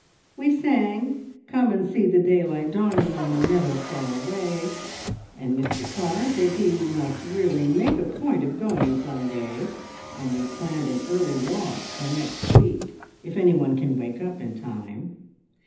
We sang `Come and see the daylight dawning, on the meadow far away,' and Mr Carr said he must really make a point of going some day, and we've planned an early walk for next week, if any one can wake up in time.